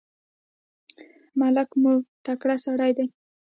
ملک مو تکړه سړی دی.